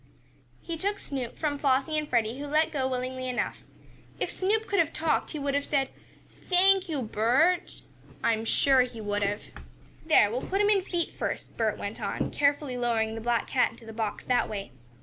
He took Snoop from Flossie and Freddie, who let go willingly enough. If Snoop could have talked he would have said, "Thank you, Bert!" I am sure he would have. "There, we'll put him in feet first," Bert went on, carefully lowering the black cat into the box that way.